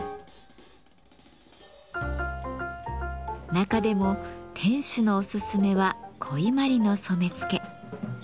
中でも店主のおすすめは古伊万里の染付。